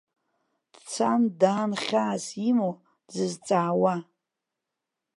Дцан-даан хьаас имоу, дзызҵаауа.